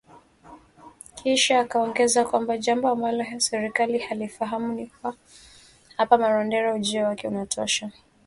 Kisha akaongeza kwamba jambo ambalo serikali hailifahamu ni kuwa hapa Marondera, ujio wake unatosha.